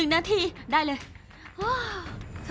๑นาทีได้เลย